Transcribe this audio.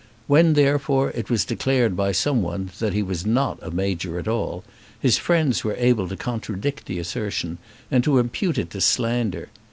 When, therefore, it was declared by someone that he was not a major at all, his friends were able to contradict the assertion, and to impute it to slander.